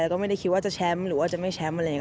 แล้วก็ไม่ได้คิดว่าจะแชมป์หรือว่าจะไม่แชมป์อะไรอย่างนี้